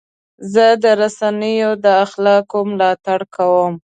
زه د رسنیو د اخلاقو ملاتړ کوم.